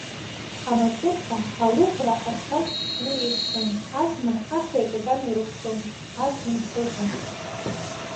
Амаҵурҭа алыӷәра ачалт шшны иқәҵан, азна ахьеи акакани рыҟәшәон, аӡынхәы ҳәа.